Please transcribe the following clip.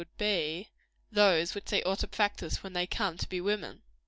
would be Those which they ought to practise when they come to be women.